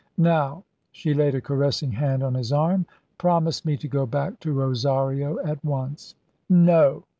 Now," she laid a caressing hand on his arm, "promise me to go back to Rosario at once." "No!"